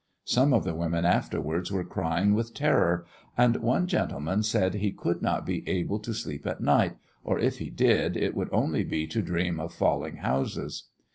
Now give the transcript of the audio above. Some of the women afterwards were crying with terror, and one gentleman said he should not be able to sleep all night, or if he did, it would only be to dream of falling houses.